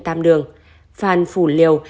tam đường phan phủ liều